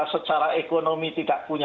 secara ekonomi tidak terlalu ya